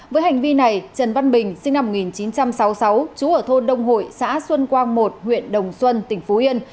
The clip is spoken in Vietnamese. với hành vi này trần văn bình sinh năm một nghìn chín trăm sáu mươi sáu chú ở thôn đông hội xã xuân quang một huyện đồng xuân tỉnh phú yên